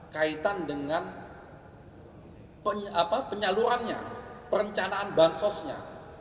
kaitan dengan penyalurannya perencanaan bansosnya